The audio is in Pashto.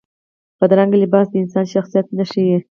بدرنګه لباس د انسان شخصیت نه ښيي